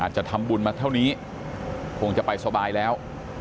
จะทำบุญมาเท่านี้คงจะไปสบายแล้ว